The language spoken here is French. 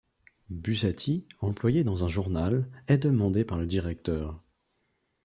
Buzzati, employé dans un journal, est demandé par le directeur.